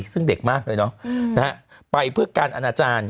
ซึ่งเด็กมากเลยเนาะไปเพื่อการอนาจารย์